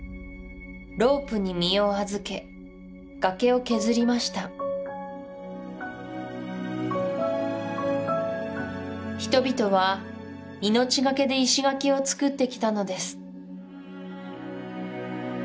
ロープに身を預け崖を削りました人々は命がけで石垣を造ってきたのです